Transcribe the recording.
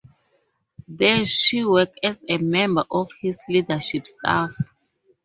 There she worked as a member of his leadership staff.